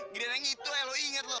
gara gara gitu eh lu inget lu